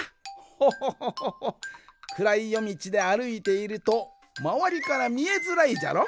ホホホホホホ。くらいよみちであるいているとまわりからみえづらいじゃろ。